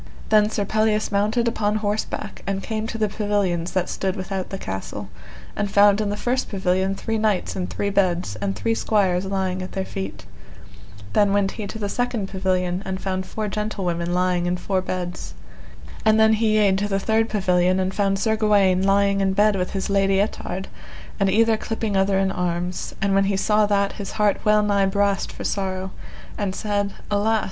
Then Sir Pelleas mounted upon horseback, and came to the pavilions that stood without the castle, and found in the first pavilion three knights in three beds, and three squires lying at their feet. Then went he to the second pavilion and found four gentlewomen lying in four beds. And then he yede to the third pavilion and found Sir Gawaine lying in bed with his Lady Ettard, and either clipping other in arms, and when he saw that his heart well nigh brast for sorrow, and said: Alas!